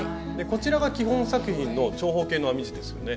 こちらが基本作品の長方形の編み地ですよね。